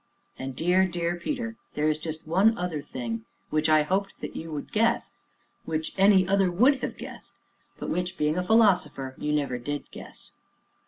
And dear, dear Peter, there is just one other thing, which I hoped that you would guess, which any other would have guessed, but which, being a philosopher, you never did guess.